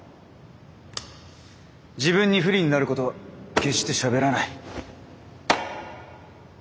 自分に不利になることは決してしゃべらない。